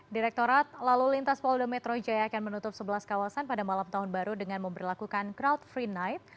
direktorat lalu lintas polda metro jaya akan menutup sebelas kawasan pada malam tahun baru dengan memperlakukan crowd free night